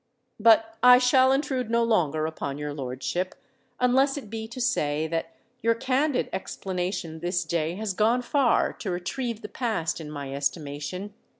But I shall intrude no longer upon your lordship—unless it be to say that your candid explanation this day has gone far to retrieve the past in my estimation.